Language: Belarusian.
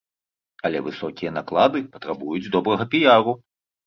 Але высокія наклады патрабуюць добрага піяру.